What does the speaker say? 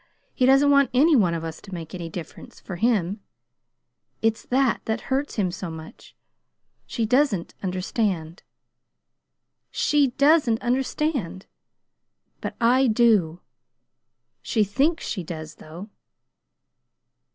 He doesn't want any one of us to make any difference for him. It's that that hurts him so. She doesn't understand. She doesn't understand! But I do. She thinks she does, though!"